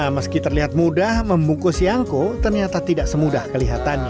meski terlihat mudah membungkus yangko ternyata tidak semudah kelihatannya